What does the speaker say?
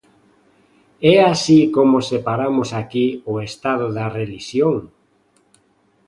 É así como separamos aquí o Estado da relixión?